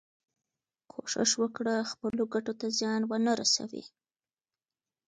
کوښښ وکړه خپلو ګټو ته زیان ونه رسوې.